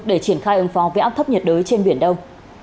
để triển khai ứng phóng về áp thấp nhiệt đới trên biển đông